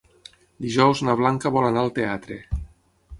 Dijous na Blanca vol anar al teatre.